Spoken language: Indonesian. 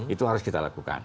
itu harus kita lakukan